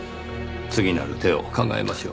次なる手を考えましょう。